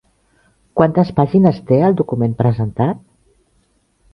Quantes pàgines té el document presentat?